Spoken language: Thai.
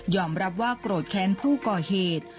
รับว่าโกรธแค้นผู้ก่อเหตุ